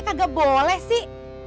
kagak boleh sih